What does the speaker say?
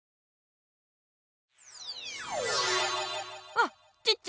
あっチッチ。